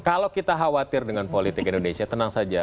kalau kita khawatir dengan politik indonesia tenang saja